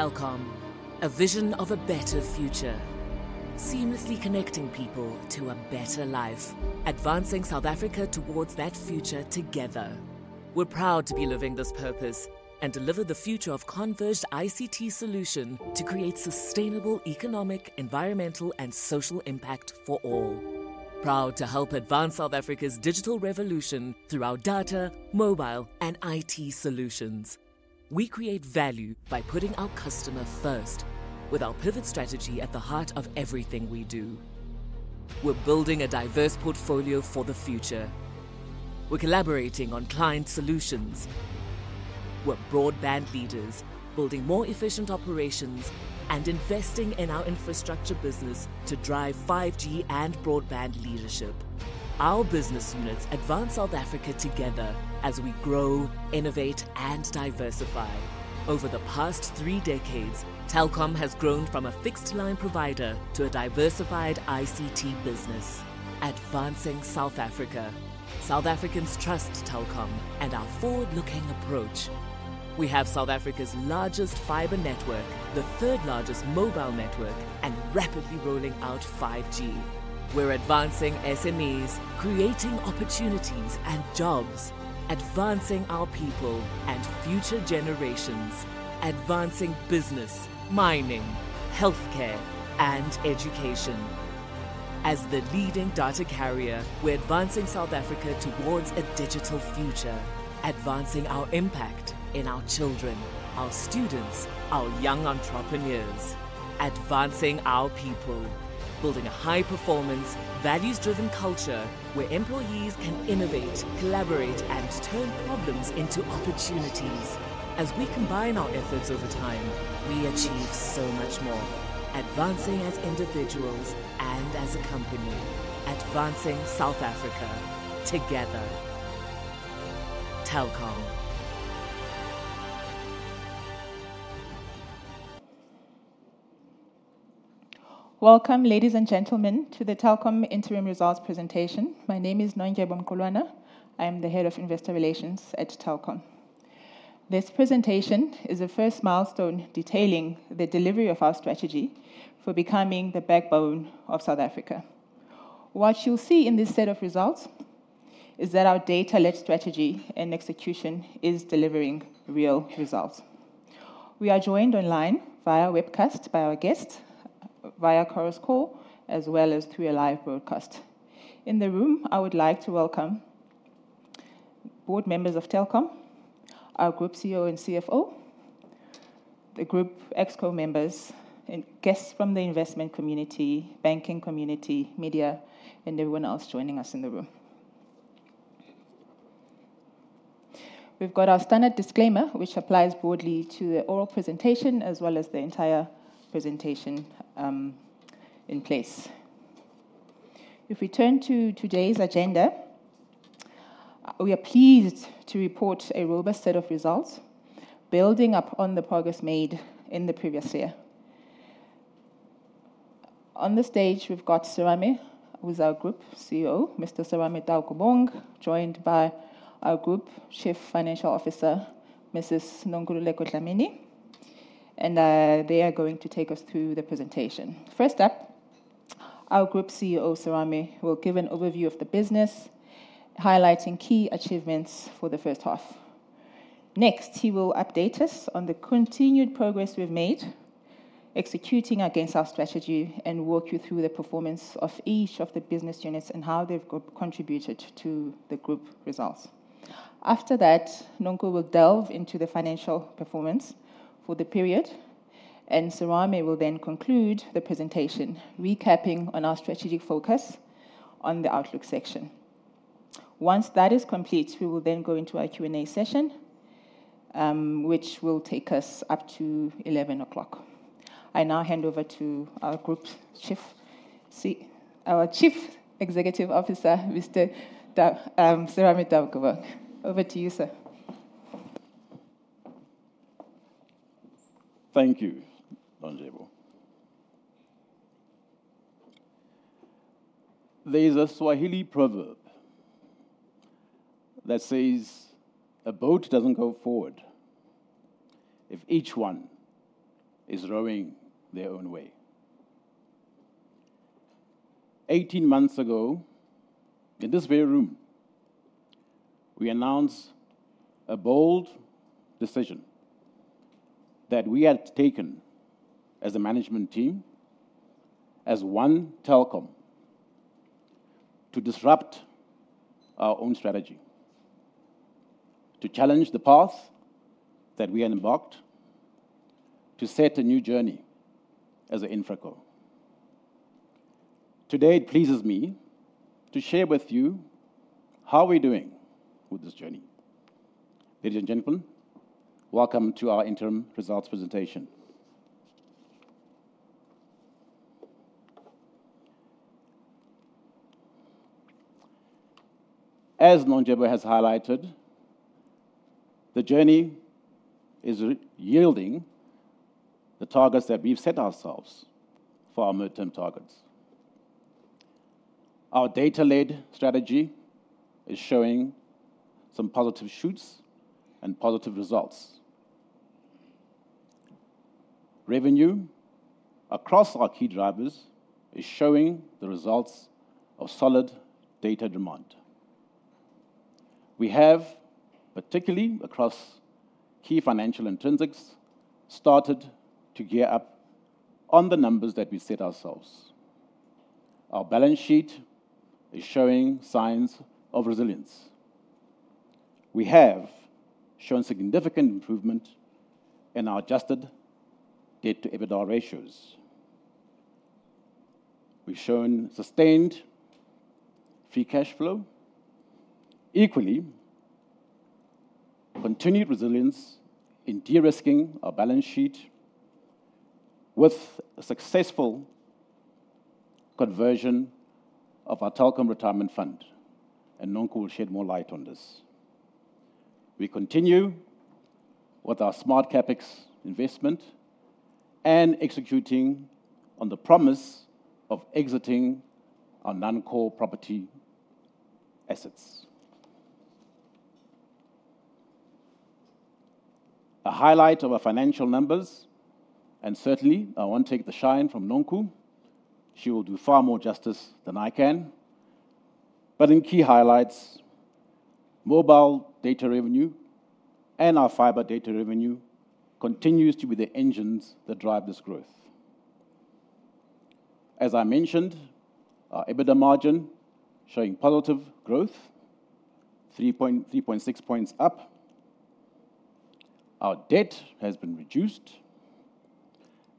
Telkom, a vision of a better future, seamlessly connecting people to a better life, advancing South Africa towards that future together. We're proud to be living this purpose and deliver the future of converged ICT solutions to create sustainable economic, environmental, and social impact for all. Proud to help advance South Africa's digital revolution through our data, mobile, and IT solutions. We create value by putting our customer first, with our pivot strategy at the heart of everything we do. We're building a diverse portfolio for the future. We're collaborating on client solutions. We're broadband leaders, building more efficient operations and investing in our infrastructure business to drive 5G and broadband leadership. Our business units advance South Africa together as we grow, innovate, and diversify. Over the past three decades, Telkom has grown from a fixed-line provider to a diversified ICT business, advancing South Africa. South Africans trust Telkom and our forward-looking approach. We have South Africa's largest fiber network, the third-largest mobile network, and rapidly rolling out 5G. We're advancing SMEs, creating opportunities and jobs, advancing our people and future generations, advancing business, mining, healthcare, and education. As the leading data carrier, we're advancing South Africa towards a digital future, advancing our impact in our children, our students, our young entrepreneurs, advancing our people, building a high-performance, values-driven culture where employees can innovate, collaborate, and turn problems into opportunities. As we combine our efforts over time, we achieve so much more, advancing as individuals and as a company, advancing South Africa together. Telkom. Welcome, ladies and gentlemen, to the Telkom Interim Results Presentation. My name is Nondyebo Mqulwana. I am the Head of Investor Relations at Telkom. This presentation is the first milestone detailing the delivery of our strategy for becoming the backbone of South Africa. What you'll see in this set of results is that our data-led strategy and execution is delivering real results. We are joined online via webcast by our guests, via Chorus Call, as well as through a live broadcast. In the room, I would like to welcome board members of Telkom, our Group CEO and CFO, the group Exco members, and guests from the investment community, banking community, media, and everyone else joining us in the room. We've got our standard disclaimer, which applies broadly to the oral presentation as well as the entire presentation in place. If we turn to today's agenda, we are pleased to report a robust set of results, building upon the progress made in the previous year. On the stage, we've got Serame with our Group CEO, Mr. Serame Taukobong, joined by our Group Chief Financial Officer, Mrs. Nonkululeko Dlamini, and they are going to take us through the presentation. First up, our Group CEO, Serame, will give an overview of the business, highlighting key achievements for the first half. Next, he will update us on the continued progress we've made, executing against our strategy, and walk you through the performance of each of the business units and how they've contributed to the group results. After that, Nonku will delve into the financial performance for the period, and Serame will then conclude the presentation, recapping our strategic focus on the outlook section. Once that is complete, we will then go into our Q&A session, which will take us up to 11:00 A.M. I now hand over to our Group Chief, our Chief Executive Officer, Mr. Serame Taukobong. Over to you, sir. Thank you, Nondyebo. There's a Swahili proverb that says, "A boat doesn't go forward if each one is rowing their own way." Eighteen months ago, in this very room, we announced a bold decision that we had taken as a management team, as One Telkom, to disrupt our own strategy, to challenge the path that we had embarked, to set a new journey as an Infraco. Today, it pleases me to share with you how we're doing with this journey. Ladies and gentlemen, welcome to our interim results presentation. As Nondyebo has highlighted, the journey is yielding the targets that we've set ourselves for our midterm targets. Our data-led strategy is showing some positive shoots and positive results. Revenue across our key drivers is showing the results of solid data demand. We have, particularly across key financial intrinsics, started to gear up on the numbers that we set ourselves. Our balance sheet is showing signs of resilience. We have shown significant improvement in our adjusted debt-to-EBITDA ratios. We've shown sustained free cash flow. Equally, continued resilience in de-risking our balance sheet with a successful conversion of our Telkom retirement fund, and Nonku will shed more light on this. We continue with our Smart CapEx investment and executing on the promise of exiting our non-core property assets. A highlight of our financial numbers, and certainly I won't take the shine from Nonku. She will do far more justice than I can. But in key highlights, mobile data revenue and our fiber data revenue continue to be the engines that drive this growth. As I mentioned, our EBITDA margin is showing positive growth, 3.6 points up. Our debt has been reduced,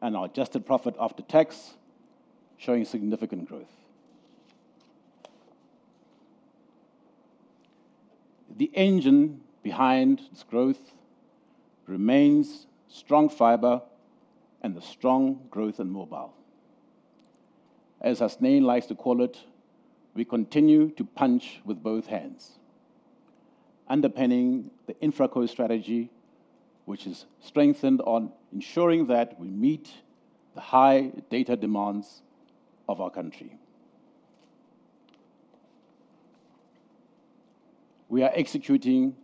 and our adjusted profit after tax is showing significant growth. The engine behind this growth remains strong fiber and the strong growth in mobile. As Hasnain likes to call it, we continue to punch with both hands, underpinning the Infracos strategy, which is strengthened on ensuring that we meet the high data demands of our country. We are executing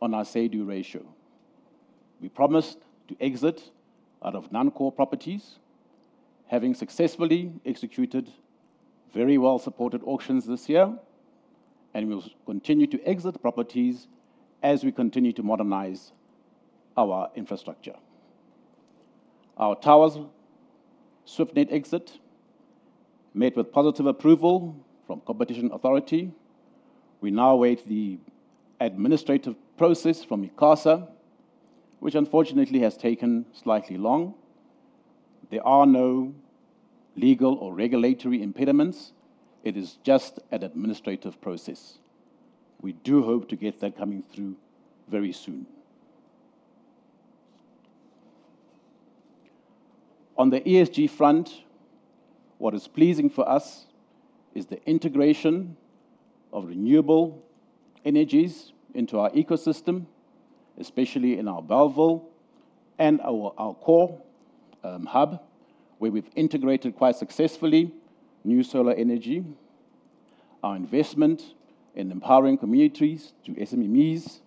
on our say-do ratio. We promised to exit out of non-core properties, having successfully executed very well-supported auctions this year, and we will continue to exit properties as we continue to modernize our infrastructure. Our towers' Swiftnet exit met with positive approval from the competition authority. We now await the administrative process from ICASA, which unfortunately has taken slightly long. There are no legal or regulatory impediments. It is just an administrative process. We do hope to get that coming through very soon. On the ESG front, what is pleasing for us is the integration of renewable energies into our ecosystem, especially in our Bellville and our core hub, where we've integrated quite successfully new solar energy, our investment in empowering communities through SMEs,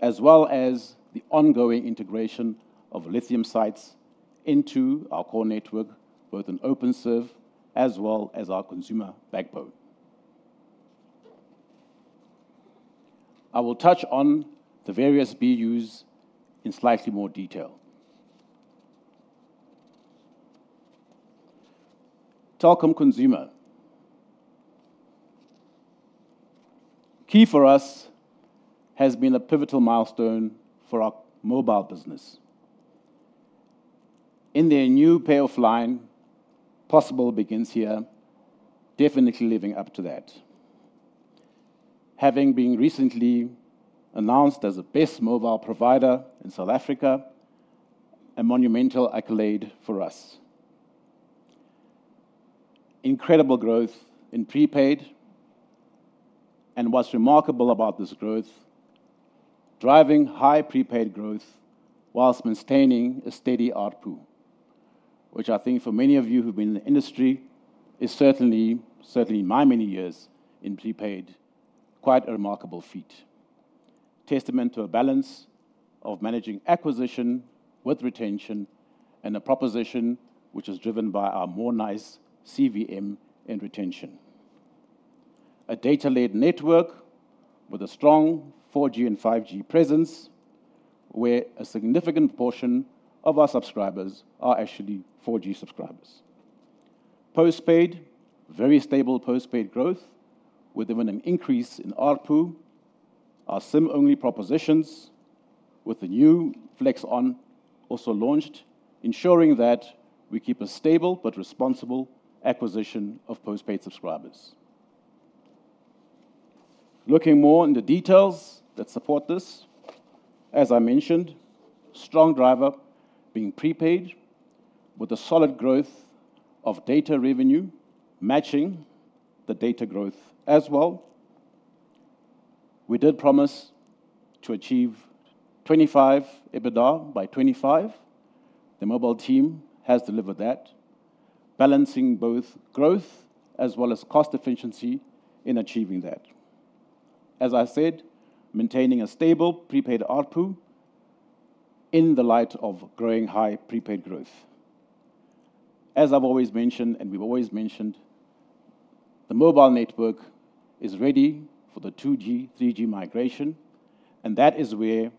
as well as the ongoing integration of lithium sites into our core network, both in Openserve as well as our consumer backbone. I will touch on the various BUs in slightly more detail. Telkom Consumer. Key for us has been a pivotal milestone for our mobile business. In their new payoff line, possible begins here, definitely living up to that. Having been recently announced as the best mobile provider in South Africa, a monumental accolade for us. Incredible growth in prepaid, and what's remarkable about this growth, driving high prepaid growth while maintaining a steady output, which I think for many of you who've been in the industry, is certainly, certainly in my many years in prepaid, quite a remarkable feat. Testament to a balance of managing acquisition with retention and a proposition which is driven by our Mo'Nice CVM and retention. A data-led network with a strong 4G and 5G presence, where a significant portion of our subscribers are actually 4G subscribers. Postpaid, very stable postpaid growth with an increase in output, our SIM-only propositions with the new FlexOn also launched, ensuring that we keep a stable but responsible acquisition of postpaid subscribers. Looking more into details that support this, as I mentioned, strong driver being prepaid with a solid growth of data revenue matching the data growth as well. We did promise to achieve 25% EBITDA by 2025. The mobile team has delivered that, balancing both growth as well as cost efficiency in achieving that. As I said, maintaining a stable prepaid output in the light of growing high prepaid growth. As I've always mentioned, and we've always mentioned, the mobile network is ready for the 2G, 3G migration, and that is where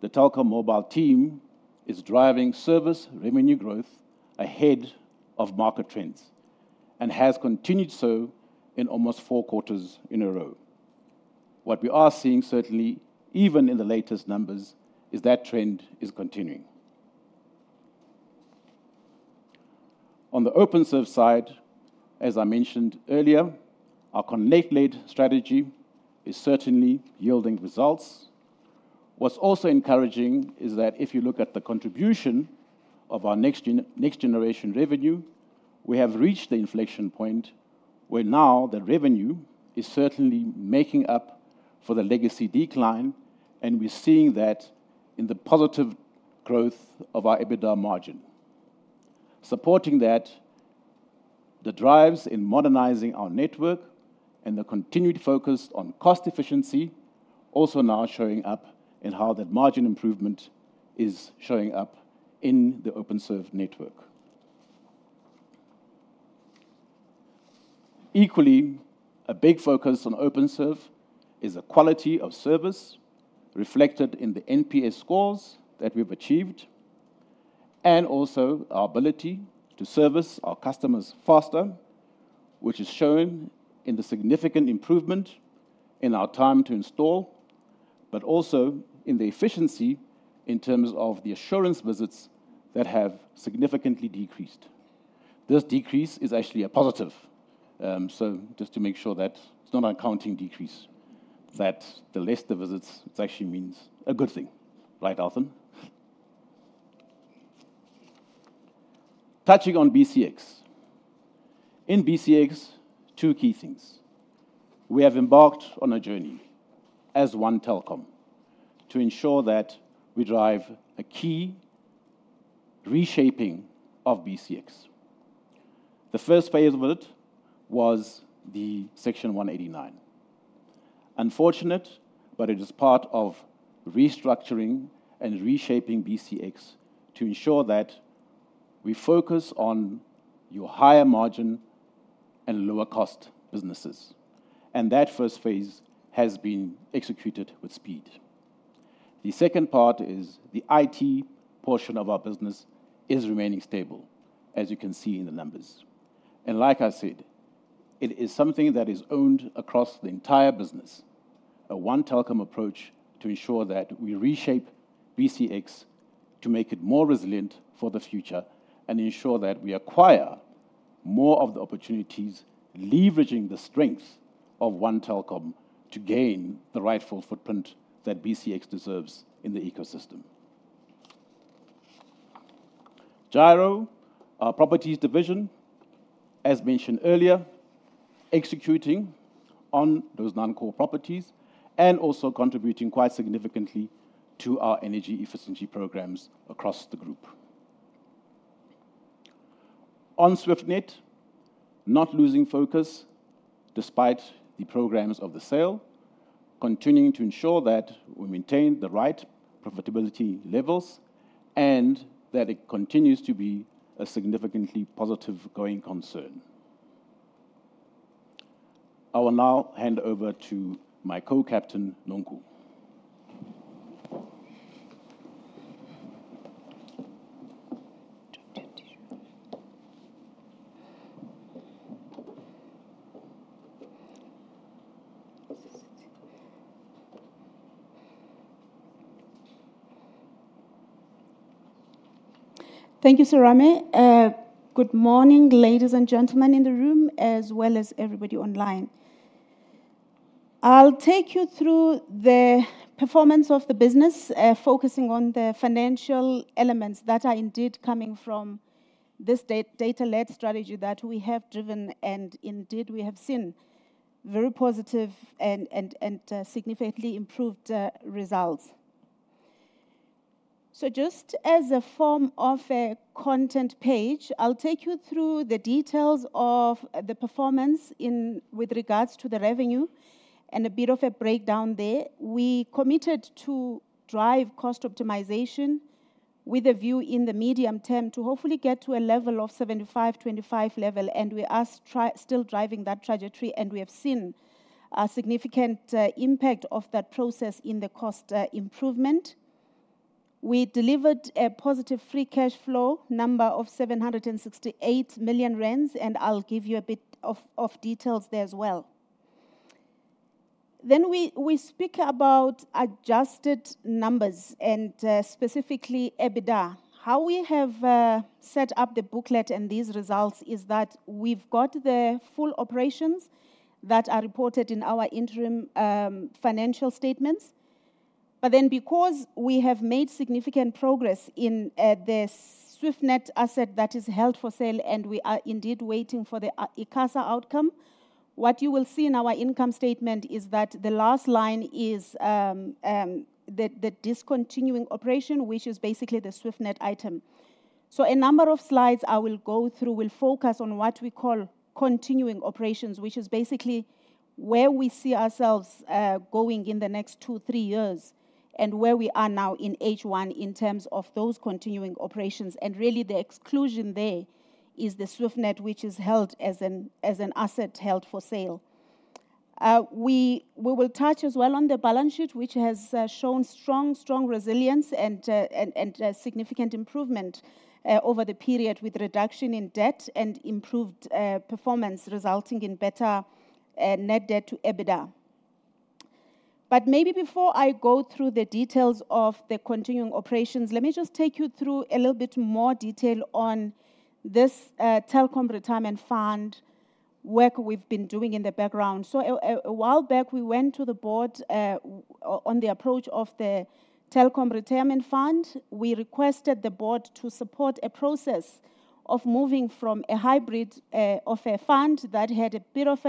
the Telkom mobile team is driving service revenue growth ahead of market trends and has continued so in almost four quarters in a row. What we are seeing certainly, even in the latest numbers, is that trend is continuing. On the Openserve side, as I mentioned earlier, our connect-led strategy is certainly yielding results. What's also encouraging is that if you look at the contribution of our next generation revenue, we have reached the inflection point where now the revenue is certainly making up for the legacy decline, and we're seeing that in the positive growth of our EBITDA margin. Supporting that, the drives in modernizing our network and the continued focus on cost efficiency also now showing up in how that margin improvement is showing up in the Openserve network. Equally, a big focus on Openserve is the quality of service reflected in the NPS scores that we've achieved, and also our ability to service our customers faster, which is shown in the significant improvement in our time to install, but also in the efficiency in terms of the assurance visits that have significantly decreased. This decrease is actually a positive. So just to make sure that it's not an accounting decrease, that the less the visits, it actually means a good thing. Right, Althon? Touching on BCX. In BCX, two key things. We have embarked on a journey as one Telkom to ensure that we drive a key reshaping of BCX. The first phase of it was the Section 189. Unfortunate, but it is part of restructuring and reshaping BCX to ensure that we focus on your higher margin and lower cost businesses. And that first phase has been executed with speed. The second part is the IT portion of our business is remaining stable, as you can see in the numbers. And like I said, it is something that is owned across the entire business, a One Telkom approach to ensure that we reshape BCX to make it more resilient for the future and ensure that we acquire more of the opportunities, leveraging the strengths of One Telkom to gain the rightful footprint that BCX deserves in the ecosystem. Gyro, our properties division, as mentioned earlier, executing on those non-core properties and also contributing quite significantly to our energy efficiency programs across the group. On Swiftnet, not losing focus despite the programs of the sale, continuing to ensure that we maintain the right profitability levels and that it continues to be a significantly positive going concern. I will now hand over to my co-captain, Nonku. Thank you, Serame. Good morning, ladies and gentlemen in the room, as well as everybody online. I'll take you through the performance of the business, focusing on the financial elements that are indeed coming from this data-led strategy that we have driven, and indeed we have seen very positive and significantly improved results. So just as a form of a content page, I'll take you through the details of the performance with regards to the revenue and a bit of a breakdown there. We committed to drive cost optimization with a view in the medium term to hopefully get to a level of 75-25 level, and we are still driving that trajectory, and we have seen a significant impact of that process in the cost improvement. We delivered a positive free cash flow number of 768 million rand, and I'll give you a bit of details there as well. Then we speak about adjusted numbers and specifically EBITDA. How we have set up the booklet and these results is that we've got the full operations that are reported in our interim financial statements, but then because we have made significant progress in the Swiftnet asset that is held for sale, and we are indeed waiting for the ICASA outcome, what you will see in our income statement is that the last line is the discontinuing operation, which is basically the Swiftnet item, so a number of slides I will go through will focus on what we call continuing operations, which is basically where we see ourselves going in the next two, three years, and where we are now in H1 in terms of those continuing operations, and really the exclusion there is the Swiftnet, which is held as an asset held for sale. We will touch as well on the balance sheet, which has shown strong, strong resilience and significant improvement over the period with reduction in debt and improved performance resulting in better net debt to EBITDA. But maybe before I go through the details of the continuing operations, let me just take you through a little bit more detail on this Telkom Retirement Fund work we've been doing in the background. So a while back, we went to the board on the approach of the Telkom Retirement Fund. We requested the board to support a process of moving from a hybrid of a fund that had a bit of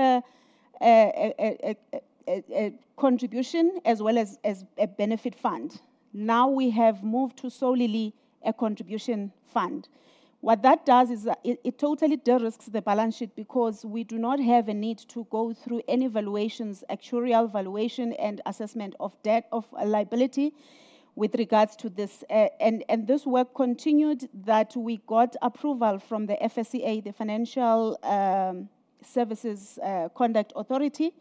a contribution as well as a benefit fund. Now we have moved to solely a contribution fund. What that does is it totally de-risks the balance sheet because we do not have a need to go through any valuations, actuarial valuation, and assessment of debt of liability with regards to this. And this work continued that we got approval from the FSCA, the Financial Sector Conduct Authority,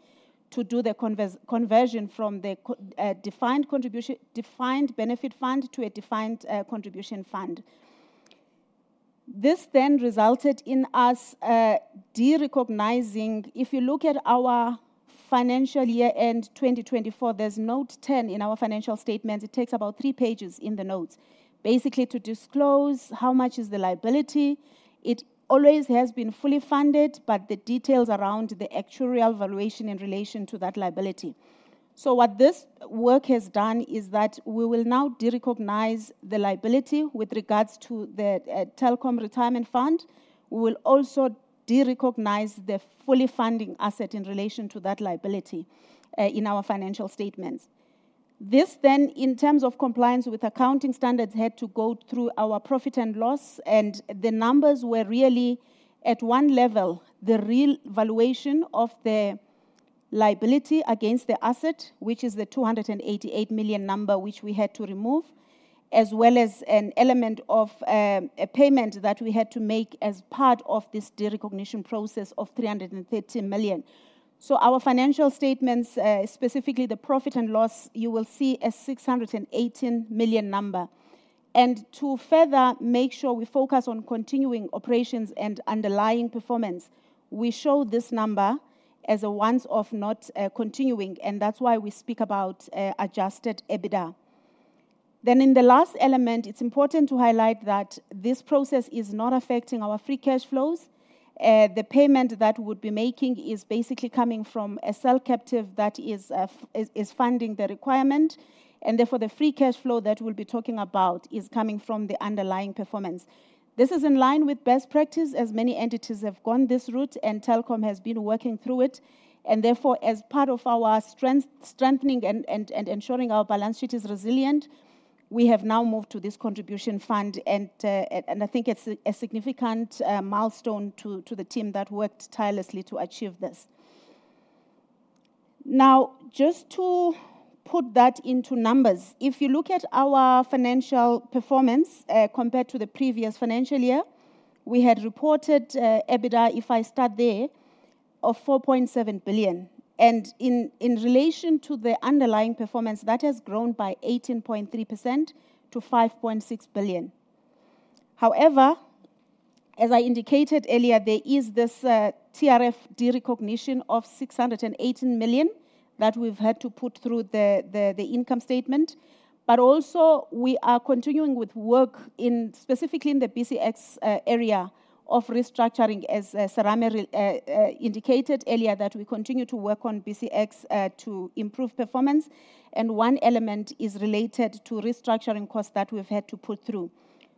to do the conversion from the defined benefit fund to a defined contribution fund. This then resulted in us de-recognizing. If you look at our financial year end 2024, there's note 10 in our financial statements. It takes about three pages in the notes, basically to disclose how much is the liability. It always has been fully funded, but the details around the actuarial valuation in relation to that liability. So what this work has done is that we will now de-recognize the liability with regards to the Telkom Retirement Fund. We will also de-recognize the fully funding asset in relation to that liability in our financial statements. This then, in terms of compliance with accounting standards, had to go through our profit and loss, and the numbers were really at one level, the real valuation of the liability against the asset, which is the 288 million number, which we had to remove, as well as an element of a payment that we had to make as part of this de-recognition process of 330 million. So our financial statements, specifically the profit and loss, you will see a 618 million number. And to further make sure we focus on continuing operations and underlying performance, we show this number as a once-off, not continuing, and that's why we speak about adjusted EBITDA. Then in the last element, it's important to highlight that this process is not affecting our free cash flows. The payment that we would be making is basically coming from a cell captive that is funding the requirement, and therefore the free cash flow that we'll be talking about is coming from the underlying performance. This is in line with best practice as many entities have gone this route, and Telkom has been working through it. And therefore, as part of our strengthening and ensuring our balance sheet is resilient, we have now moved to this contribution fund, and I think it's a significant milestone to the team that worked tirelessly to achieve this. Now, just to put that into numbers, if you look at our financial performance compared to the previous financial year, we had reported EBITDA, if I start there, of 4.7 billion. And in relation to the underlying performance, that has grown by 18.3% to 5.6 billion. However, as I indicated earlier, there is this TRF de-recognition of 618 million that we've had to put through the income statement. But also we are continuing with work specifically in the BCX area of restructuring, as Serame indicated earlier, that we continue to work on BCX to improve performance. And one element is related to restructuring costs that we've had to put through.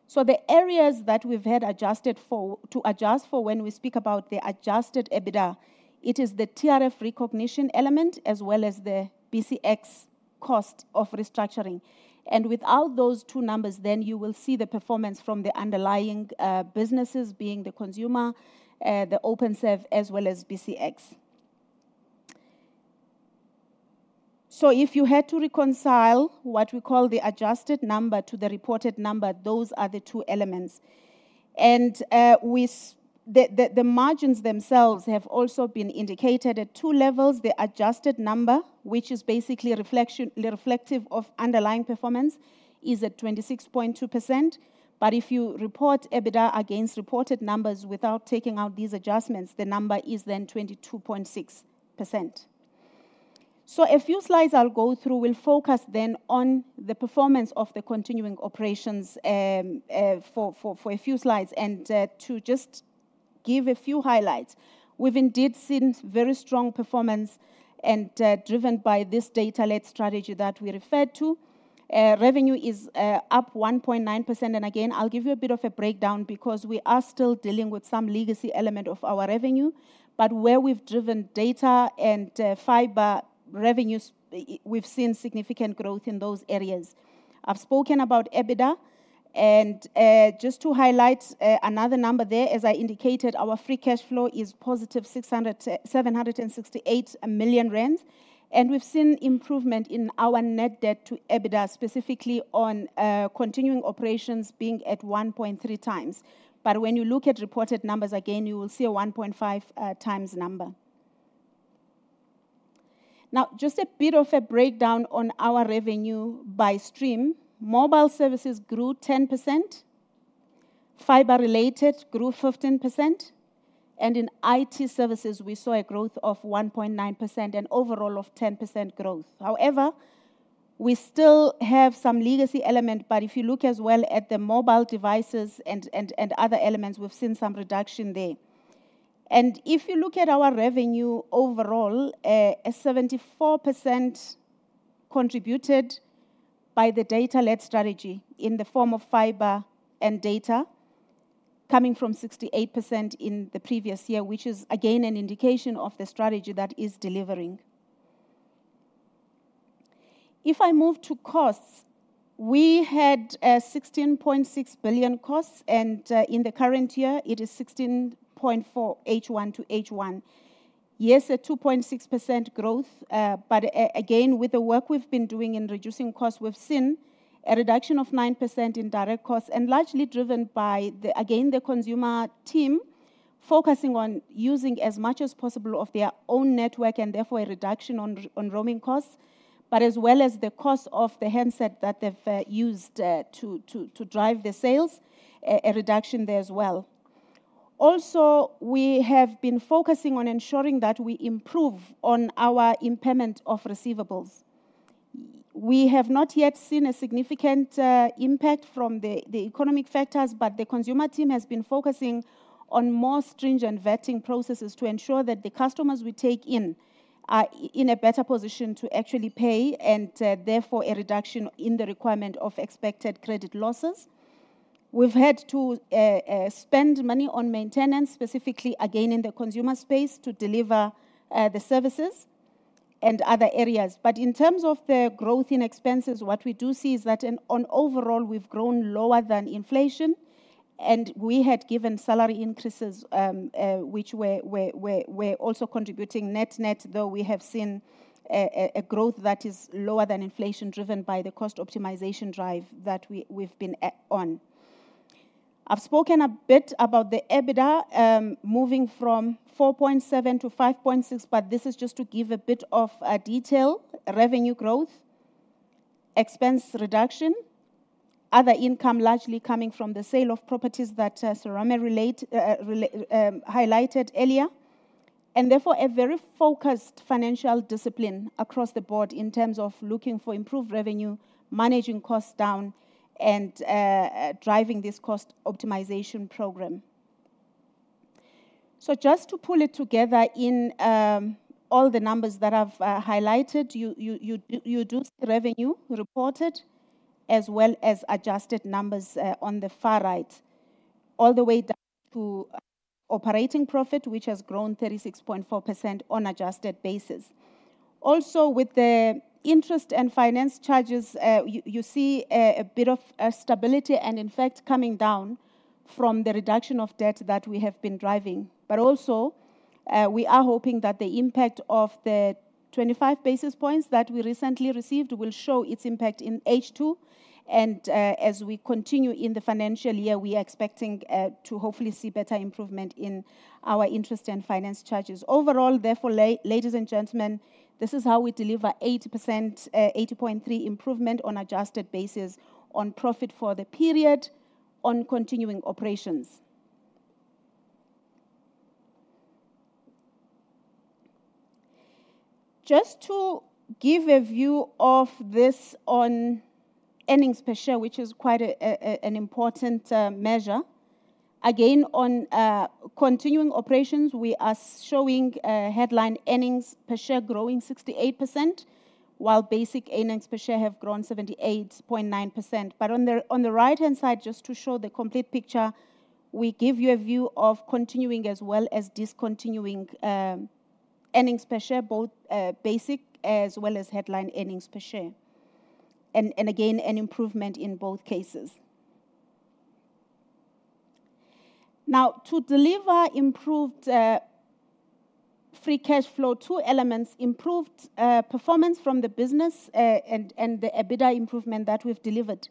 So the areas that we've had to adjust for when we speak about the adjusted EBITDA, it is the TRF recognition element as well as the BCX cost of restructuring. And without those two numbers, then you will see the performance from the underlying businesses being the consumer, the Openserve, as well as BCX. So if you had to reconcile what we call the adjusted number to the reported number, those are the two elements. And the margins themselves have also been indicated at two levels. The adjusted number, which is basically reflective of underlying performance, is at 26.2%. But if you report EBITDA against reported numbers without taking out these adjustments, the number is then 22.6%. So a few slides I'll go through will focus then on the performance of the continuing operations for a few slides. And to just give a few highlights, we've indeed seen very strong performance and driven by this data-led strategy that we referred to. Revenue is up 1.9%. And again, I'll give you a bit of a breakdown because we are still dealing with some legacy element of our revenue. But where we've driven data and fiber revenues, we've seen significant growth in those areas. I've spoken about EBITDA. And just to highlight another number there, as I indicated, our free cash flow is positive 768 million rand. And we've seen improvement in our net debt to EBITDA, specifically on continuing operations being at 1.3 times. But when you look at reported numbers, again, you will see a 1.5 times number. Now, just a bit of a breakdown on our revenue by stream. Mobile services grew 10%. Fiber-related grew 15%. And in IT services, we saw a growth of 1.9% and overall of 10% growth. However, we still have some legacy element. But if you look as well at the mobile devices and other elements, we've seen some reduction there. And if you look at our revenue overall, 74% contributed by the data-led strategy in the form of fiber and data coming from 68% in the previous year, which is again an indication of the strategy that is delivering. If I move to costs, we had 16.6 billion costs, and in the current year, it is 16.4 billion H1 to H1. Yes, a 2.6% growth. But again, with the work we've been doing in reducing costs, we've seen a reduction of 9% in direct costs, and largely driven by, again, the consumer team focusing on using as much as possible of their own network and therefore a reduction on roaming costs, but as well as the cost of the handset that they've used to drive the sales, a reduction there as well. Also, we have been focusing on ensuring that we improve on our impairment of receivables. We have not yet seen a significant impact from the economic factors, but the consumer team has been focusing on more stringent vetting processes to ensure that the customers we take in are in a better position to actually pay, and therefore a reduction in the requirement of expected credit losses. We've had to spend money on maintenance, specifically again in the consumer space to deliver the services and other areas, but in terms of the growth in expenses, what we do see is that overall we've grown lower than inflation, and we had given salary increases, which we're also contributing net net, though we have seen a growth that is lower than inflation driven by the cost optimization drive that we've been on. I've spoken a bit about the EBITDA moving from 4.7-5.6, but this is just to give a bit of detail: revenue growth, expense reduction, other income largely coming from the sale of properties that Serame highlighted earlier, and therefore a very focused financial discipline across the board in terms of looking for improved revenue, managing costs down, and driving this cost optimization program. So just to pull it together in all the numbers that I've highlighted, you do see revenue reported as well as adjusted numbers on the far right, all the way down to operating profit, which has grown 36.4% on an adjusted basis. Also, with the interest and finance charges, you see a bit of stability and, in fact, coming down from the reduction of debt that we have been driving. But also, we are hoping that the impact of the 25 basis points that we recently received will show its impact in H2, and as we continue in the financial year, we are expecting to hopefully see better improvement in our interest and finance charges. Overall, therefore, ladies and gentlemen, this is how we deliver 8.3% improvement on an adjusted basis on profit for the period on continuing operations. Just to give a view of this on earnings per share, which is quite an important measure, again, on continuing operations, we are showing headline earnings per share growing 68%, while basic earnings per share have grown 78.9%, but on the right-hand side, just to show the complete picture, we give you a view of continuing as well as discontinuing earnings per share, both basic as well as headline earnings per share, and again, an improvement in both cases. Now, to deliver improved free cash flow, two elements: improved performance from the business and the EBITDA improvement that we've delivered.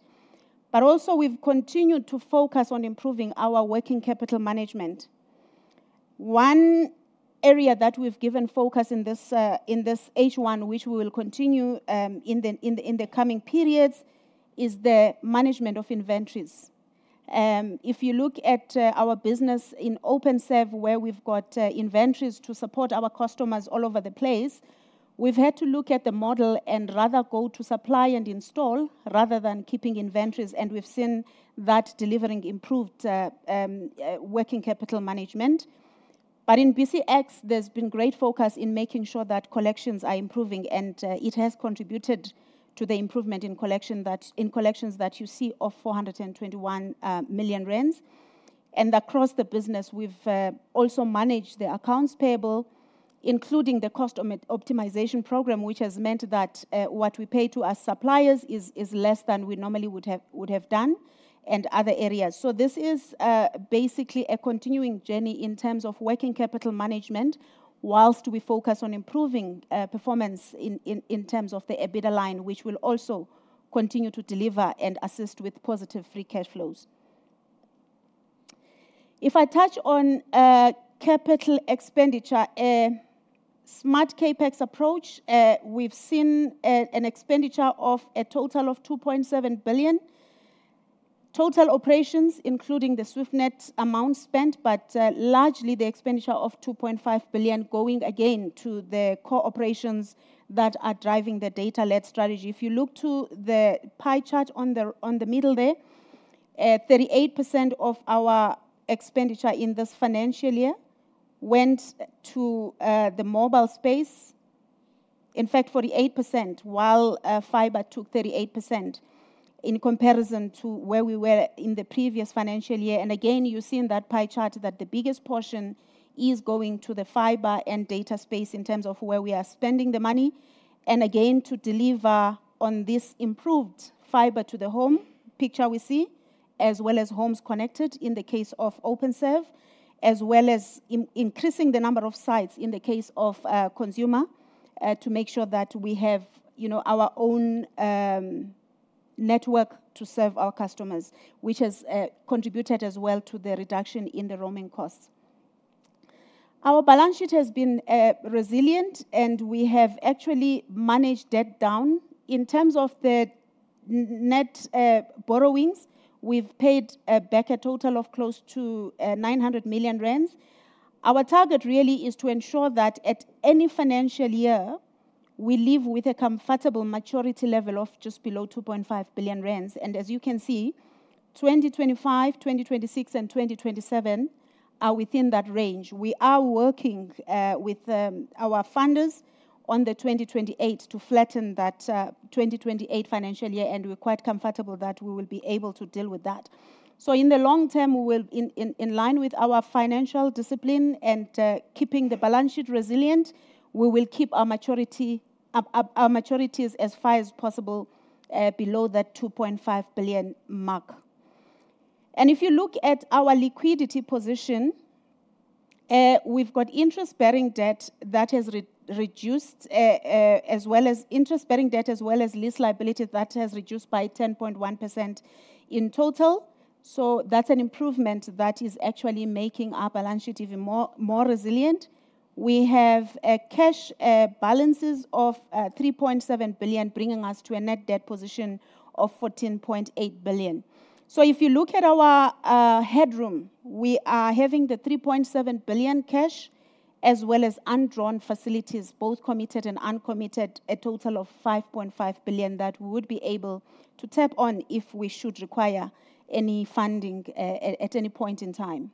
But also, we've continued to focus on improving our working capital management. One area that we've given focus in this H1, which we will continue in the coming periods, is the management of inventories. If you look at our business in Openserve, where we've got inventories to support our customers all over the place, we've had to look at the model and rather go to supply and install rather than keeping inventories. And we've seen that delivering improved working capital management. But in BCX, there's been great focus in making sure that collections are improving, and it has contributed to the improvement in collections that you see of 421 million rand. And across the business, we've also managed the accounts payable, including the cost optimization program, which has meant that what we pay to our suppliers is less than we normally would have done and other areas, so this is basically a continuing journey in terms of working capital management while we focus on improving performance in terms of the EBITDA line, which will also continue to deliver and assist with positive free cash flows. If I touch on capital expenditure, a smart CapEx approach, we've seen an expenditure of a total of 2.7 billion. Total operations, including the Swiftnet amount spent, but largely the expenditure of 2.5 billion going again to the core operations that are driving the data-led strategy. If you look to the pie chart on the middle there, 38% of our expenditure in this financial year went to the mobile space. In fact, 48%, while fiber took 38% in comparison to where we were in the previous financial year, and again, you see in that pie chart that the biggest portion is going to the fiber and data space in terms of where we are spending the money, and again, to deliver on this improved fiber to the home picture we see, as well as homes connected in the case of Openserve, as well as increasing the number of sites in the case of consumer to make sure that we have our own network to serve our customers, which has contributed as well to the reduction in the roaming costs. Our balance sheet has been resilient, and we have actually managed debt down. In terms of the net borrowings, we've paid back a total of close to 900 million rand. Our target really is to ensure that at any financial year, we leave with a comfortable maturity level of just below 2.5 billion rand. And as you can see, 2025, 2026, and 2027 are within that range. We are working with our funders on the 2028 to flatten that 2028 financial year, and we're quite comfortable that we will be able to deal with that. So in the long term, in line with our financial discipline and keeping the balance sheet resilient, we will keep our maturities as far as possible below that 2.5 billion mark. And if you look at our liquidity position, we've got interest-bearing debt that has reduced, as well as interest-bearing debt, as well as lease liability that has reduced by 10.1% in total. So that's an improvement that is actually making our balance sheet even more resilient. We have cash balances of 3.7 billion, bringing us to a net debt position of 14.8 billion. So if you look at our headroom, we are having the 3.7 billion cash as well as undrawn facilities, both committed and uncommitted, a total of 5.5 billion that we would be able to tap on if we should require any funding at any point in time.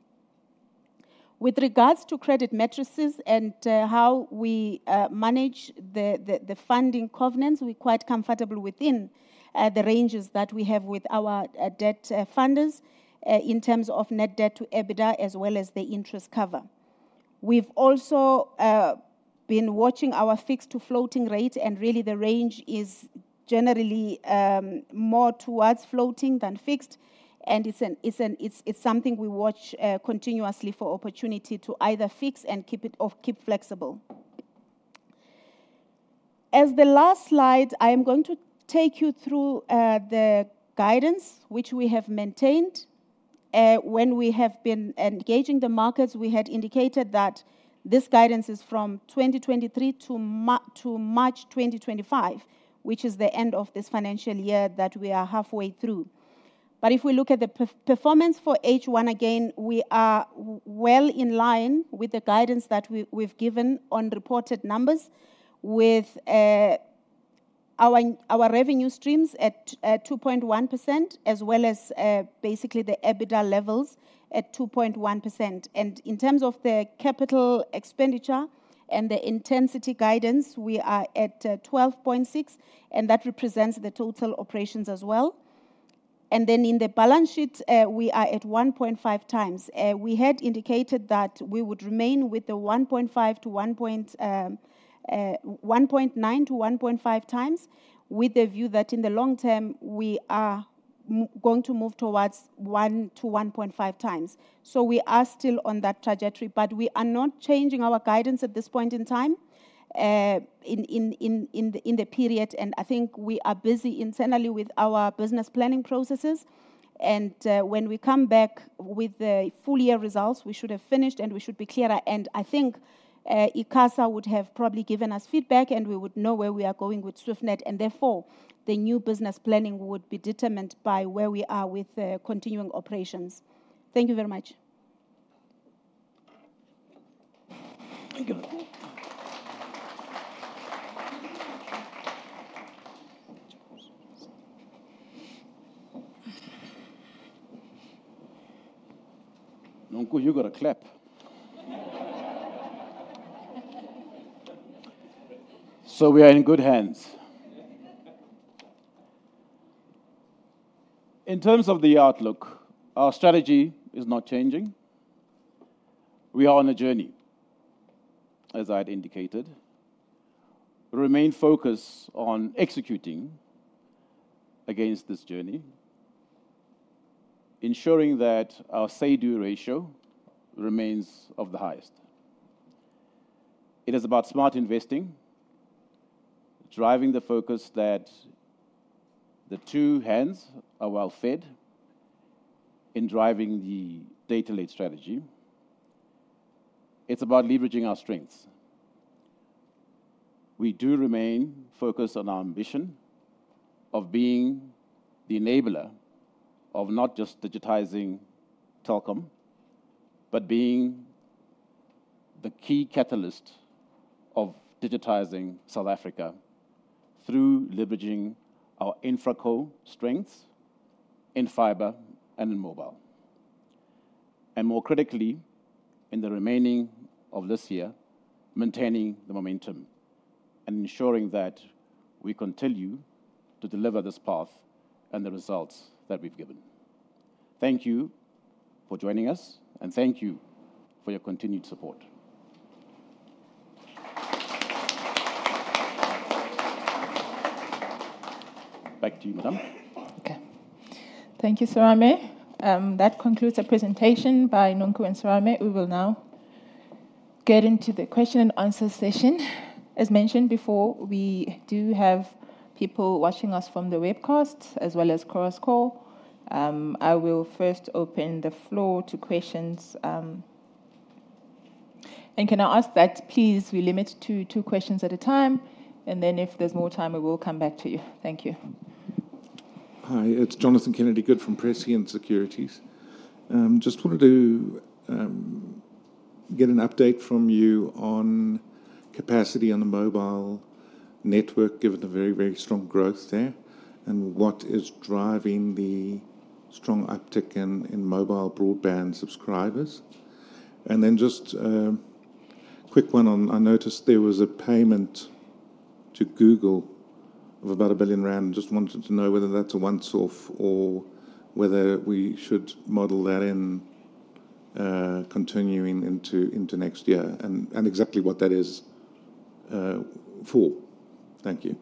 With regards to credit matrices and how we manage the funding covenants, we're quite comfortable within the ranges that we have with our debt funders in terms of net debt to EBITDA as well as the interest cover. We've also been watching our fixed to floating rate, and really the range is generally more towards floating than fixed. And it's something we watch continuously for opportunity to either fix and keep flexible. As the last slide, I am going to take you through the guidance which we have maintained when we have been engaging the markets. We had indicated that this guidance is from 2023 to March 2025, which is the end of this financial year that we are halfway through, but if we look at the performance for H1, again, we are well in line with the guidance that we've given on reported numbers with our revenue streams at 2.1%, as well as basically the EBITDA levels at 2.1%, and in terms of the capital expenditure and the intensity guidance, we are at 12.6, and that represents the total operations as well, and then in the balance sheet, we are at 1.5 times. We had indicated that we would remain with the 1.9-1.5 times with the view that in the long term, we are going to move towards 1-1.5 times. So we are still on that trajectory, but we are not changing our guidance at this point in time in the period. And I think we are busy internally with our business planning processes. And when we come back with the full year results, we should have finished and we should be clearer. And I think Icasa would have probably given us feedback and we would know where we are going with Swiftnet. And therefore, the new business planning would be determined by where we are with continuing operations. Thank you very much. Nonkululeko, you got a clap. So we are in good hands. In terms of the outlook, our strategy is not changing. We are on a journey, as I had indicated. Remain focused on executing against this journey, ensuring that our say-do ratio remains of the highest. It is about smart investing, driving the focus that the two hands are well fed in driving the data-led strategy. It's about leveraging our strengths. We do remain focused on our ambition of being the enabler of not just digitizing telecom, but being the key catalyst of digitizing South Africa through leveraging our infraco strengths in fiber and in mobile, and more critically, in the remaining of this year, maintaining the momentum and ensuring that we continue to deliver this path and the results that we've given. Thank you for joining us, and thank you for your continued support. Back to you, Madam. Okay. Thank you, Serame. That concludes the presentation by Nonkululeko and Serame. We will now get into the question and answer session. As mentioned before, we do have people watching us from the webcast as well as conference call. I will first open the floor to questions, and can I ask that please we limit to two questions at a time, and then if there's more time, we will come back to you. Thank you. Hi, it's Jonathan Kennedy-Good from Prescient Securities. Just wanted to get an update from you on capacity on the mobile network, given the very, very strong growth there, and what is driving the strong uptick in mobile broadband subscribers, and then just a quick one, I noticed there was a payment to Google of about 1 billion rand. Just wanted to know whether that's a one-off or whether we should model that in continuing into next year and exactly what that is for. Thank you.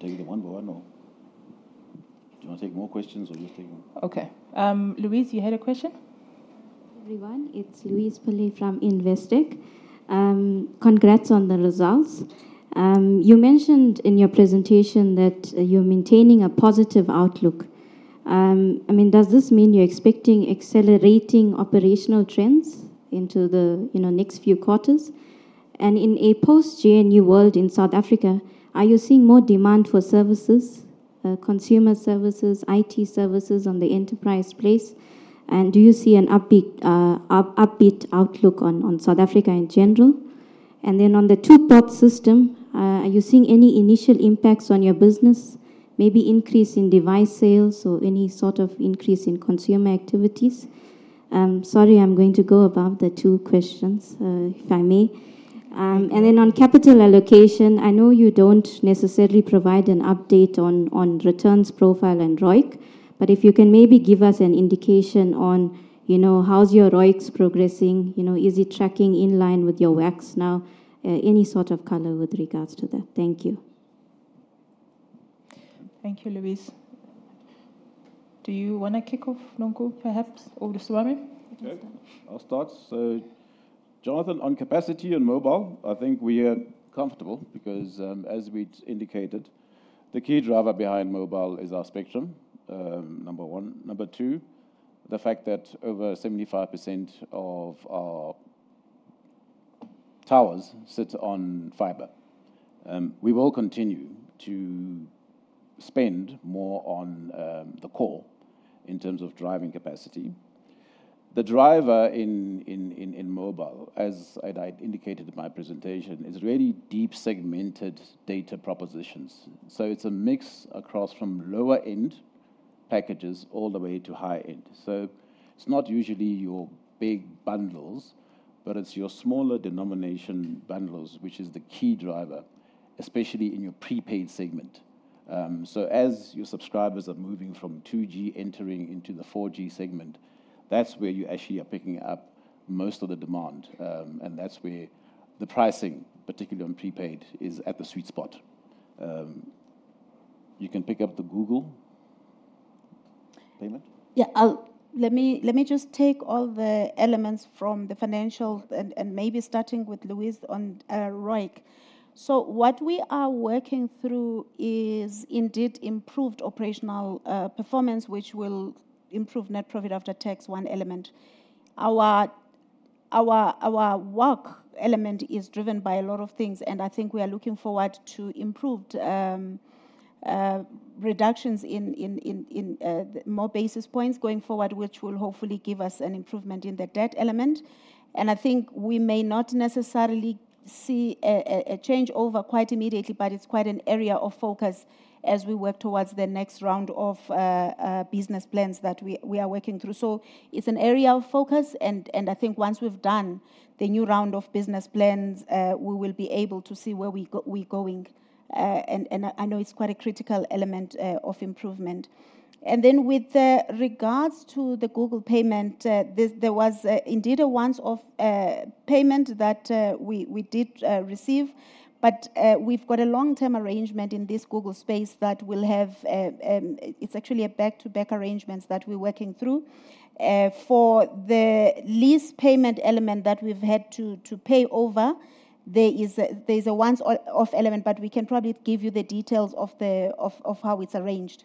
Take it in one word, or do you want to take more questions, or just take one? Okay. Louise, you had a question? Hi, everyone. It's Louise Pillay from Investec. Congrats on the results. You mentioned in your presentation that you're maintaining a positive outlook. I mean, does this mean you're expecting accelerating operational trends into the next few quarters? And in a post-GNU world in South Africa, are you seeing more demand for services, consumer services, IT services on the enterprise space? And do you see an upbeat outlook on South Africa in general? And then on the two-pot system, are you seeing any initial impacts on your business, maybe increase in device sales or any sort of increase in consumer activities? Sorry, I'm going to go above the two questions, if I may. And then on capital allocation, I know you don't necessarily provide an update on returns profile and ROIC, but if you can maybe give us an indication on how's your ROICs progressing, is it tracking in line with your WACC now, any sort of color with regards to that? Thank you. Thank you, Louise. Do you want to kick off, Nonkul, perhaps, or Serame? I'll start. So Jonathan, on capacity and mobile, I think we are comfortable because, as we indicated, the key driver behind mobile is our spectrum, number one. Number two, the fact that over 75% of our towers sit on fiber. We will continue to spend more on the core in terms of driving capacity. The driver in mobile, as I indicated in my presentation, is really deep segmented data propositions. So it's a mix across from lower-end packages all the way to high-end. So it's not usually your big bundles, but it's your smaller denomination bundles, which is the key driver, especially in your prepaid segment. So as your subscribers are moving from 2G entering into the 4G segment, that's where you actually are picking up most of the demand. And that's where the pricing, particularly on prepaid, is at the sweet spot. You can pick up the Google payment. Yeah, let me just take all the elements from the financials and maybe starting with Louise on ROIC. So what we are working through is indeed improved operational performance, which will improve net profit after tax, one element. Our WACC element is driven by a lot of things, and I think we are looking forward to improved reductions in more basis points going forward, which will hopefully give us an improvement in the debt element. I think we may not necessarily see a change over quite immediately, but it's quite an area of focus as we work towards the next round of business plans that we are working through. So it's an area of focus, and I think once we've done the new round of business plans, we will be able to see where we're going. And I know it's quite a critical element of improvement. And then with regards to the Google payment, there was indeed a one-off payment that we did receive, but we've got a long-term arrangement in this Google space that will have it's actually a back-to-back arrangement that we're working through. For the lease payment element that we've had to pay over, there is a one-off element, but we can probably give you the details of how it's arranged.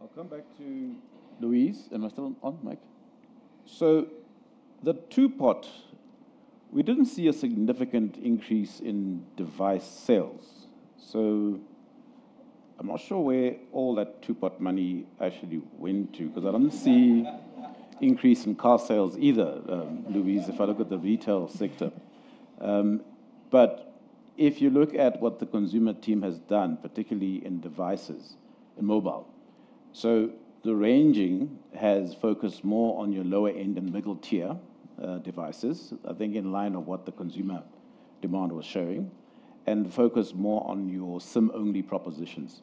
I'll come back to Louise, and we're still on mic. So the two-pot, we didn't see a significant increase in device sales. So I'm not sure where all that two-pot money actually went to because I don't see an increase in handset sales either, Louise, if I look at the retail sector. But if you look at what the consumer team has done, particularly in devices and mobile, so the ranging has focused more on your lower-end and middle-tier devices, I think in line with what the consumer demand was showing, and focused more on your SIM-only propositions.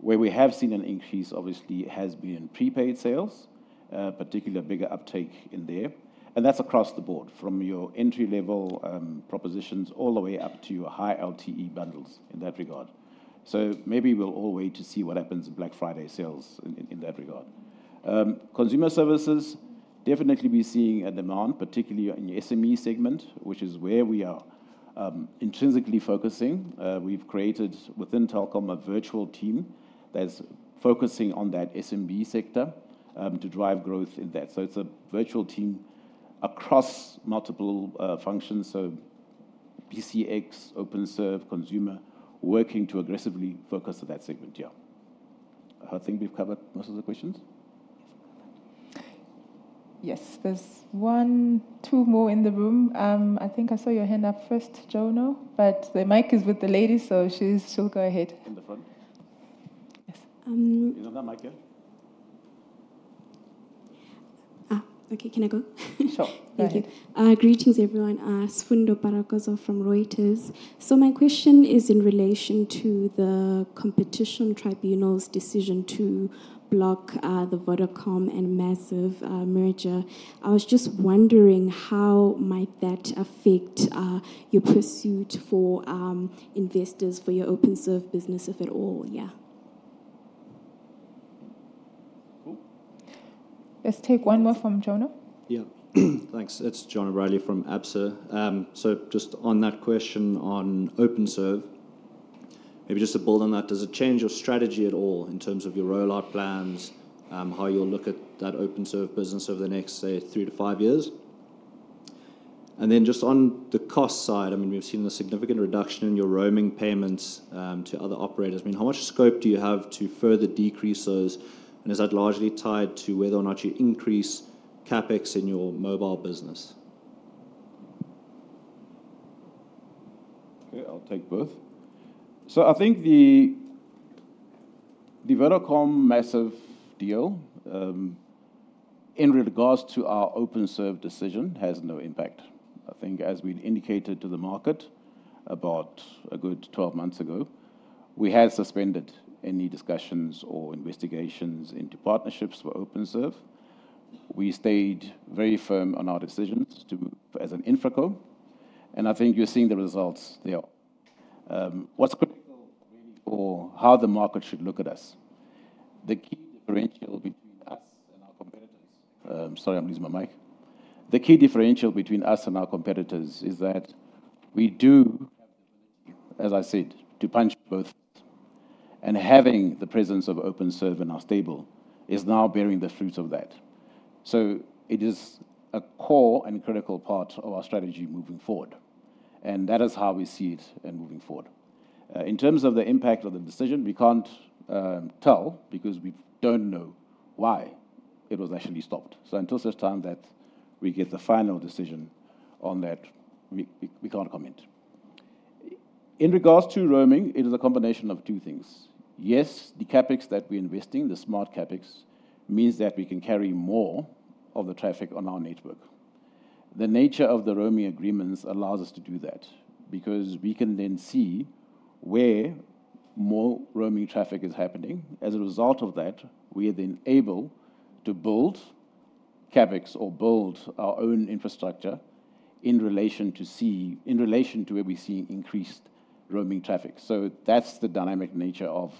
Where we have seen an increase, obviously, has been in prepaid sales, particularly a bigger uptake in there. And that's across the board from your entry-level propositions all the way up to your high LTE bundles in that regard. So maybe we'll all wait to see what happens in Black Friday sales in that regard. Consumer services, definitely be seeing a demand, particularly in your SME segment, which is where we are intrinsically focusing. We've created within Telkom a virtual team that's focusing on that SMB sector to drive growth in that. So it's a virtual team across multiple functions, so BCX, Openserve, consumer, working to aggressively focus on that segment here. I think we've covered most of the questions. Yes, there's one or two more in the room. I think I saw your hand up first, Jono, but the mic is with the lady, so she'll go ahead. In the front. Yes. You're not on the mic yet. Okay, can I go? Sure. Thank you. Greetings, everyone. Sfundo Parakozov from Reuters. So my question is in relation to the Competition Tribunal's decision to block the Vodacom and Maziv merger. I was just wondering how might that affect your pursuit for investors for your Openserve business, if at all? Yeah. Let's take one more from Jono. Yeah, thanks. It's Jono Bradley from Absa. So just on that question on Openserve, maybe just a build on that. Does it change your strategy at all in terms of your rollout plans, how you'll look at that Openserve business over the next, say, three to five years? And then just on the cost side, I mean, we've seen a significant reduction in your roaming payments to other operators. I mean, how much scope do you have to further decrease those, and is that largely tied to whether or not you increase CapEx in your mobile business? Okay, I'll take both. So I think the Vodacom-MTN deal, in regards to our Openserve decision, has no impact. I think as we indicated to the market about a good 12 months ago, we had suspended any discussions or investigations into partnerships for Openserve. We stayed very firm on our decisions as an infraco. I think you're seeing the results there. What's critical really for how the market should look at us? The key differential between us and our competitors. Sorry, I'm losing my mic. The key differential between us and our competitors is that we do have the ability, as I said, to punch both. Having the presence of Openserve in our stable is now bearing the fruits of that. So it is a core and critical part of our strategy moving forward. That is how we see it moving forward. In terms of the impact of the decision, we can't tell because we don't know why it was actually stopped. So until such time that we get the final decision on that, we can't comment. In regards to roaming, it is a combination of two things. Yes, the CapEx that we're investing, the smart CapEx, means that we can carry more of the traffic on our network. The nature of the roaming agreements allows us to do that because we can then see where more roaming traffic is happening. As a result of that, we are then able to build CapEx or build our own infrastructure in relation to where we see increased roaming traffic. So that's the dynamic nature of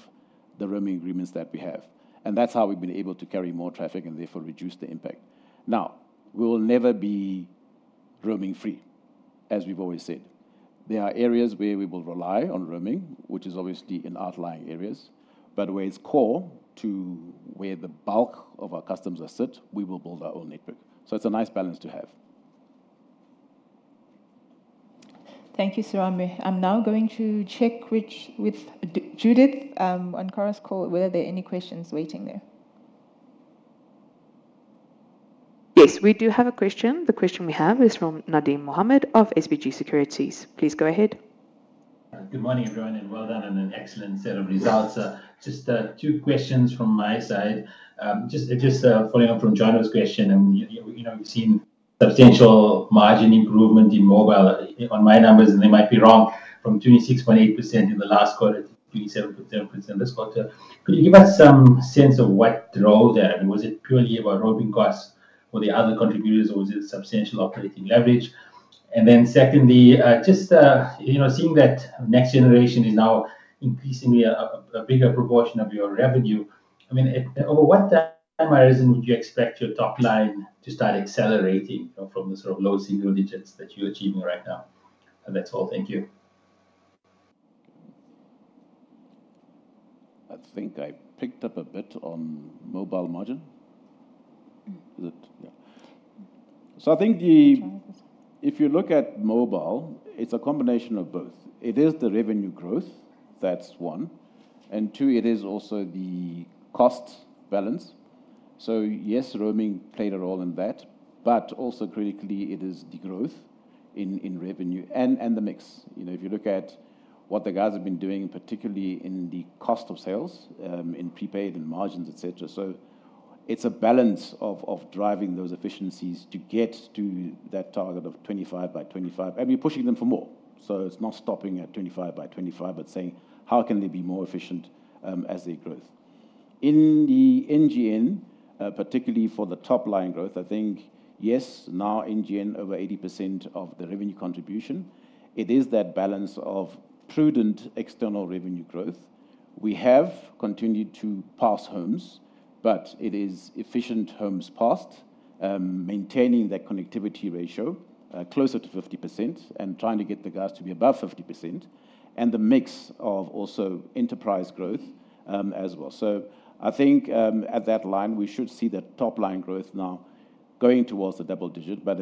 the roaming agreements that we have. And that's how we've been able to carry more traffic and therefore reduce the impact. Now, we will never be roaming free, as we've always said. There are areas where we will rely on roaming, which is obviously in outlying areas. But where it's core to where the bulk of our customers are sit, we will build our own network. So it's a nice balance to have. Thank you, Serame. I'm now going to check with Judith on Cora's call. Were there any questions waiting there? Yes, we do have a question. The question we have is from Nadim Mohamed of SBG Securities. Please go ahead. Good morning, everyone, and well done on an excellent set of results. Just two questions from my side. Just following up from Jonah's question, and we've seen substantial margin improvement in mobile on my numbers, and they might be wrong, from 26.8% in the last quarter to 27.7% this quarter. Could you give us some sense of what drove that? Was it purely about roaming costs for the other contributors, or was it substantial operating leverage? And then secondly, just seeing that next generation is now increasingly a bigger proportion of your revenue, I mean, over what time horizon would you expect your top line to start accelerating from the sort of low single digits that you're achieving right now? That's all. Thank you. I think I picked up a bit on mobile margin. Is it? Yeah. So I think if you look at mobile, it's a combination of both. It is the revenue growth, that's one. And two, it is also the cost balance. So yes, roaming played a role in that, but also critically, it is the growth in revenue and the mix. If you look at what the guys have been doing, particularly in the cost of sales in prepaid and margins, etc. So it's a balance of driving those efficiencies to get to that target of 25 by 25, and we're pushing them for more. So it's not stopping at 25 by 25, but saying, how can they be more efficient as they grow? In the NGN, particularly for the top line growth, I think, yes, now NGN over 80% of the revenue contribution. It is that balance of prudent external revenue growth. We have continued to pass homes, but it is efficient homes passed, maintaining that connectivity ratio closer to 50% and trying to get the guys to be above 50%, and the mix of also enterprise growth as well. So I think at that line, we should see that top line growth now going towards the double digit, but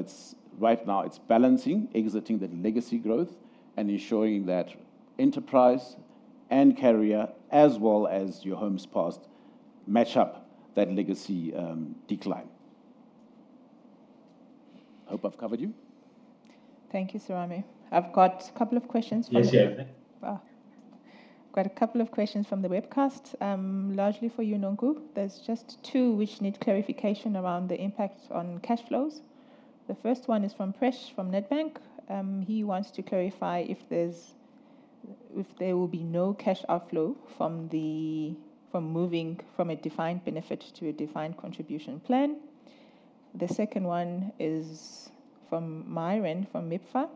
right now, it's balancing, exiting that legacy growth, and ensuring that enterprise and carrier, as well as your homes passed, match up that legacy decline. Hope I've covered you. Thank you, Serame. Yes, you have them. I've got a couple of questions from the webcast, largely for you, Nonkul. There's just two which need clarification around the impact on cash flows. The first one is from Presh from Nedbank. He wants to clarify if there will be no cash outflow from moving from a defined benefit to a defined contribution plan. The second one is from Myron from MIPF,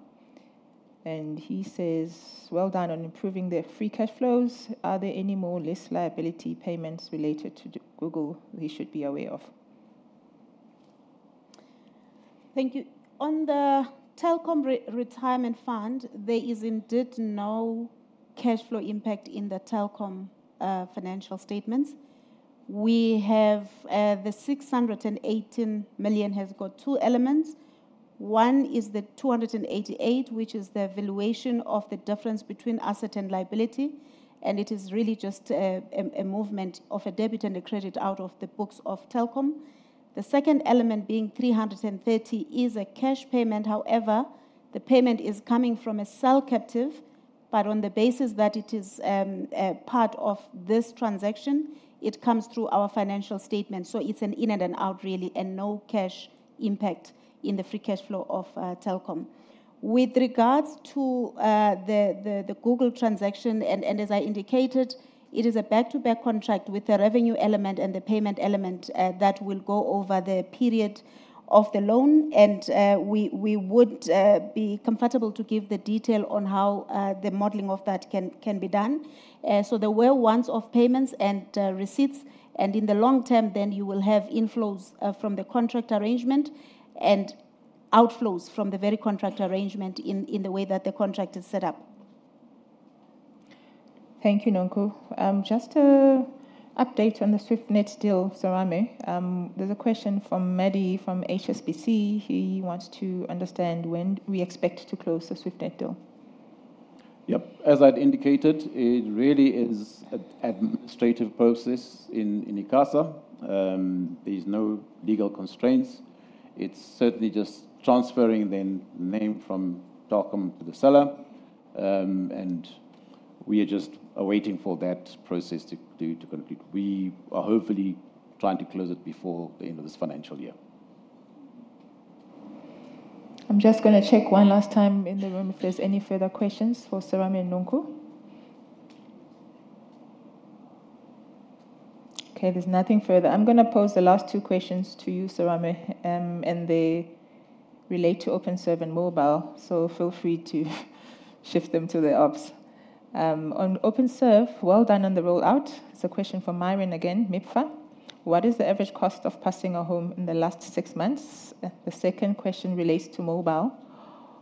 and he says, "Well done on improving the free cash flows. Are there any more list liability payments related to Google we should be aware of?" Thank you. On the Telkom retirement fund, there is indeed no cash flow impact in the Telkom financial statements. We have the 618 million has got two elements. One is the 288 million, which is the valuation of the difference between asset and liability, and it is really just a movement of a debit and a credit out of the books of Telkom. The second element being 330 million is a cash payment. However, the payment is coming from a cell captive, but on the basis that it is part of this transaction, it comes through our financial statement, so it's an in and an out, really, and no cash impact in the free cash flow of Telkom. With regards to the Google transaction, and as I indicated, it is a back-to-back contract with the revenue element and the payment element that will go over the period of the loan. And we would be comfortable to give the detail on how the modeling of that can be done. So there were ones of payments and receipts, and in the long term, then you will have inflows from the contract arrangement and outflows from the very contract arrangement in the way that the contract is set up. Thank you, Nonkululeko. Just an update on the Swiftnet deal, Serame. There's a question from Mehdi from HSBC. He wants to understand when we expect to close the Swiftnet deal. Yep. As I'd indicated, it really is an administrative process in ICASA. There's no legal constraints. It's certainly just transferring the name from Telkom to the seller, and we are just awaiting for that process to complete. We are hopefully trying to close it before the end of this financial year. I'm just going to check one last time in the room if there's any further questions for Serame and Nonkul. Okay, there's nothing further. I'm going to pose the last two questions to you, Serame, and they relate to Openserve and mobile, so feel free to shift them to the ops. On Openserve, well done on the rollout. It's a question from Myron again, MIPF. What is the average cost of passing a home in the last six months? The second question relates to mobile.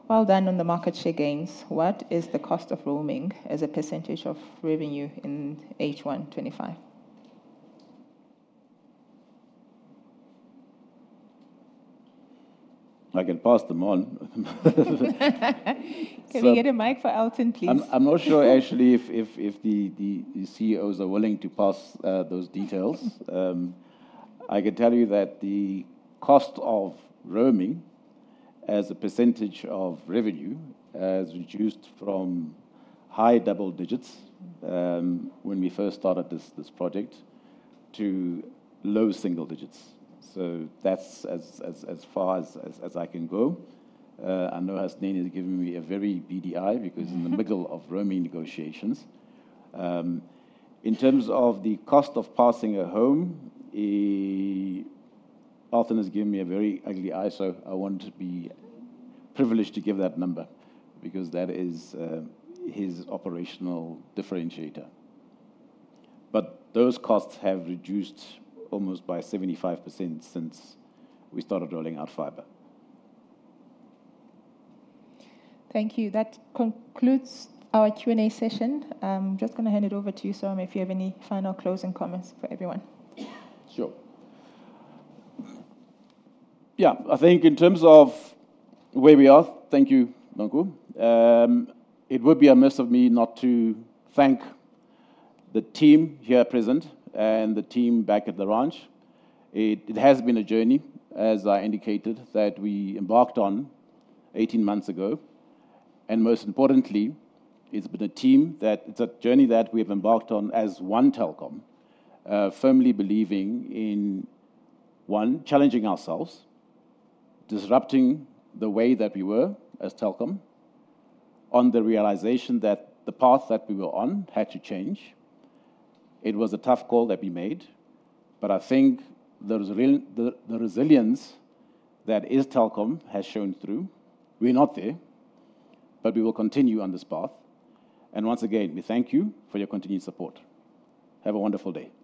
Well done on the market share gains. What is the cost of roaming as a percentage of revenue in H1 25? I can pass them on. Can we get a mic for Althon, please? I'm not sure, actually, if the CEOs are willing to pass those details. I can tell you that the cost of roaming as a percentage of revenue has reduced from high double digits when we first started this project to low single digits. So that's as far as I can go. I know Hasnain has given me a very bad idea because in the middle of roaming negotiations. In terms of the cost of passing a home, Althon has given me a very ugly eye, so I'm not privileged to give that number because that is his operational differentiator. But those costs have reduced almost by 75% since we started rolling out fiber. Thank you. That concludes our Q&A session. I'm just going to hand it over to you, Serame, if you have any final closing comments for everyone. Sure. Yeah, I think in terms of where we are, thank you, Nonkul. It would be amiss of me not to thank the team here present and the team back at the ranch. It has been a journey, as I indicated, that we embarked on 18 months ago, and most importantly, it's been a team that it's a journey that we have embarked on as one Telkom, firmly believing in one, challenging ourselves, disrupting the way that we were as Telkom, on the realization that the path that we were on had to change. It was a tough call that we made, but I think the resilience that is Telkom has shown through. We're not there, but we will continue on this path, and once again, we thank you for your continued support. Have a wonderful day.